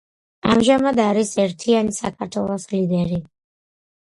ამჟამად არის „ერთიანი საქართველოს“ ლიდერი.